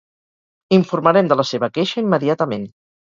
Informarem de la seva queixa immediatament.